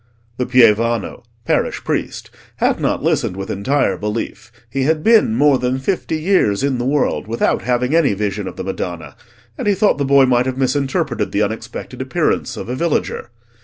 The pievano (parish priest) had not listened with entire belief: he had been more than fifty years in the world without having any vision of the Madonna, and he thought the boy might have misinterpreted the unexpected appearance of a villager.